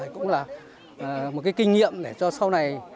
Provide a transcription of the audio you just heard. cũng là một kinh nghiệm để cho sau này